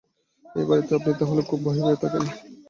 এই বাড়িতে আপনি তাহলে খুব ভয়ে-ভয়ে থাকেন?